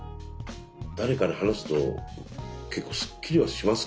誰かに話すと結構すっきりはしますけどね。